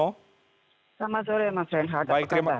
selamat sore mas renhard